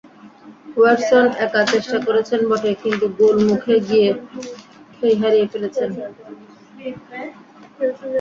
Wedson একা চেষ্টা করেছেন বটে, কিন্তু গোলমুখে গিয়ে খেই হারিয়ে ফেলেছেন।